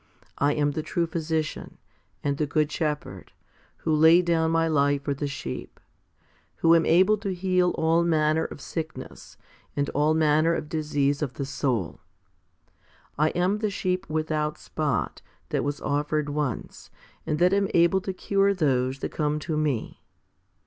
I am the true physician, and the good shepherd, who lay down My life for the sheep,* who am able to heal all manner of sickness and all manner of disease of the soul. 5 I am the sheep without spot, that was offered once, and that am able to cure those that come to Me."